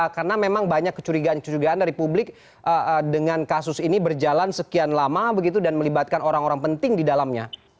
karena memang banyak kecurigaan kecurigaan dari publik dengan kasus ini berjalan sekian lama begitu dan melibatkan orang orang penting di dalamnya